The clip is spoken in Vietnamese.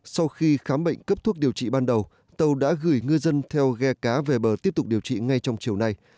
sau khi khám bệnh cấp thuốc điều trị ban đầu tàu đã gửi ngư dân theo ghe cá về bờ tiếp tục điều trị ngay trong chiều nay